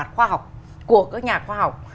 của các nhà khoa học